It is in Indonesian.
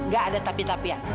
gak ada tapi tapian